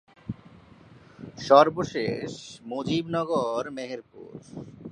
সর্বশেষ মুজিবনগর, মেহেরপুর।